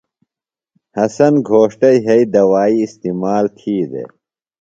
حسن گھوݜٹہ یھئی دوائی استعمال تِھی دےۡ۔